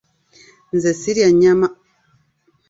Nze sirya nnyama.